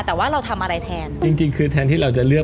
แต่ว่าเราทำอะไรแทนจริงจริงคือแทนที่เราจะเลือก